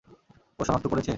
ও শনাক্ত করেছে?